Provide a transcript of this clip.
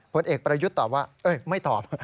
พลต์เอกประยุทธตอบว่าเอ๊ะไม่ตอบ